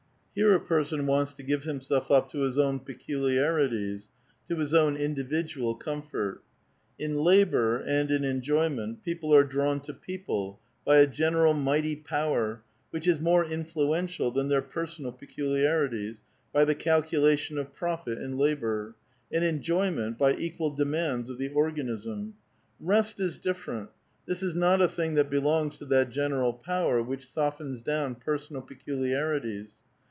Here a l)erson wants to give himself up to his own peculiarities, to his own individual comfort. In labor, and in enjoyment, people aie drawn to people by a general mighty power, which is more influential than their personal peculiarities, by the calculation of profit in labor ; in enjoyment, bj equal demands of the organism. Rest is different. This is not a thing that belongs to that general power which softens down personal peculiarities.